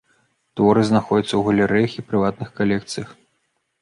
Творы знаходзяцца ў галерэях і прыватных калекцыях.